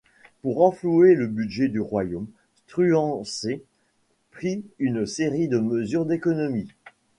Pour renflouer le budget du royaume, Struensee prit une série de mesures d'économie.